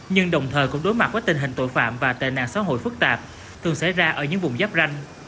nhưng đồng thời cũng đối mặt với tình hình tội phạm và tệ nạn xã hội phức tạp thường xảy ra ở những vùng giáp ranh